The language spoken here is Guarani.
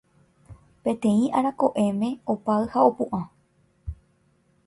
Peteĩ ára ko'ẽme opáy ha opu'ã.